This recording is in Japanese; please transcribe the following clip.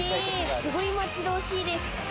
すごい待ち遠しいです。